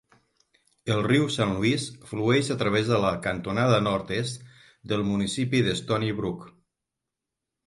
El riu Saint Louis flueix a través de la cantonada nord-est del municipi de Stoney Brook.